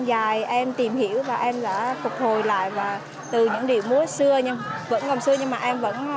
dài em tìm hiểu và em đã phục hồi lại và từ những điệu múa xưa nhưng vẫn còn xưa nhưng mà em vẫn